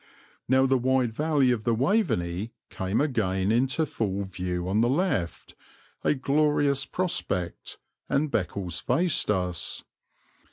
Now the wide valley of the Waveney came again into full view on the left, a glorious prospect, and Beccles faced us.